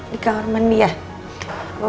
di kamar mandi ya